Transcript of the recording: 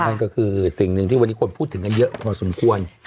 มันก็คือสิ่งที่วันนี้ผู้ถึงกันเยอะพอสมควร